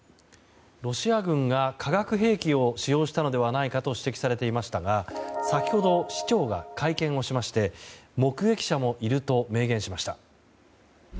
ロシア軍が化学兵器を使用したのではないかと指摘されていましたが先ほど、市長が会見をしまして目撃者もいると明言しました。